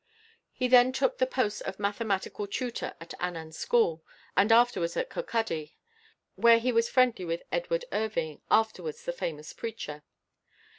He then took the post of mathematical tutor at Annan school, and afterwards at Kirkcaldy, where he was friendly with Edward Irving, afterwards the famous preacher.